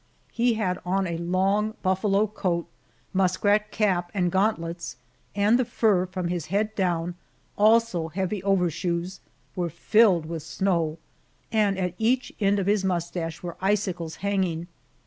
He had on a long buffalo coat, muskrat cap and gauntlets, and the fur from his head down, also heavy overshoes, were filled with snow, and at each end of his mustache were icicles hanging.